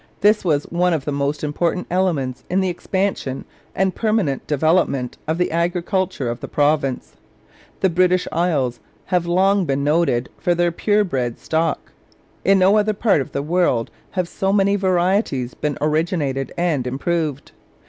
This was one of the most important elements in the expansion and permanent development of the agriculture of the province. The British Isles have long been noted for their pure bred stock. In no other part of the world have so many varieties been originated and improved.